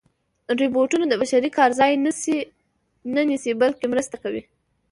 روبوټونه د بشري کار ځای نه نیسي، بلکې مرسته کوي.